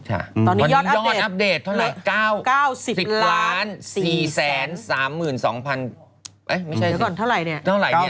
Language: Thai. ตอนนี้ยอดอัพเดท๙๐๔๓๒๐๐๐บาทไม่ใช่ถ้าไหร่เนี่ย